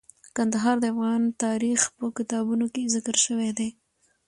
کندهار د افغان تاریخ په کتابونو کې ذکر شوی دی.